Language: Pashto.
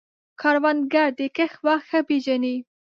کروندګر د کښت وخت ښه پېژني